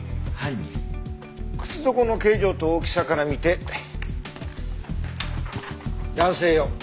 靴底の形状と大きさから見て男性用。